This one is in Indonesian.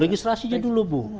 registrasinya dulu bu